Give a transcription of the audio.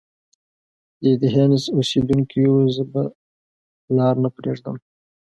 د ایتهنز اوسیدونکیو! زه به لار نه پريږدم.